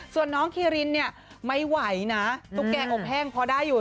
ส่วนน้องคีรินเนี่ยไม่ไหวนะตุ๊กแกอบแห้งพอได้อยู่